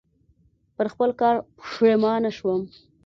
پر خپل کار پښېمانه شوم .